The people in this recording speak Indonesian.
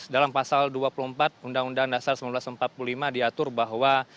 dalam pasal dua puluh empat undang undang dasar seribu sembilan ratus empat puluh lima diatur bahwa